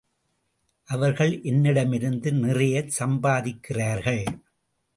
அவர்கள் என்னிடமிருந்து நிறைய சம்பாதிக்கிறார்கள்.